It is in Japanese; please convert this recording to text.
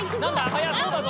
早そうだぞ。